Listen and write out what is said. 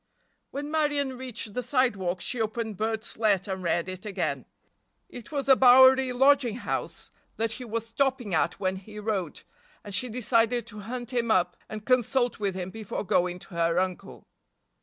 When Marion reached the sidewalk she opened Bert's letter and read it again. It was a Bowery lodging house that he was stopping at when he wrote, and she decided to hunt him up and consult with him before going to her uncle.